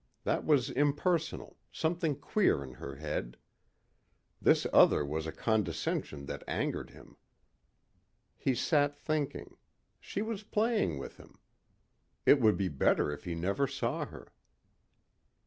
That was impersonal something queer in her head. This other was a condescension that angered him. He sat thinking; she was playing with him. It would be better if he never saw her.